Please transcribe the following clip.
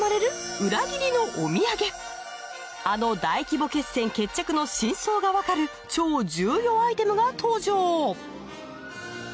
あの大規模決戦決着の真相がわかる超重要アイテムが登場